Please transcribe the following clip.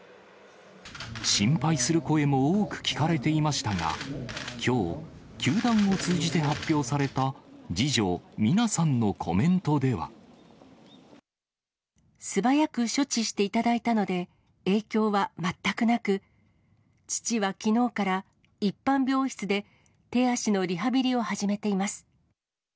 心配する声も多く聞かれていましたが、きょう、球団を通じて発表された次女、素早く処置していただいたので、影響は全くなく、父はきのうから一般病室で手足のリハビリを始めています。